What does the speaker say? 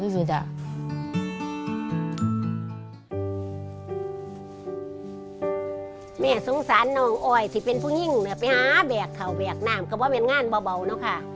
พี่สงสารได้ถึงชมเป็นเธอนางเพ้อชมการสิน่ะ